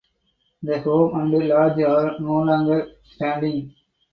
The home and lodge are no longer standing.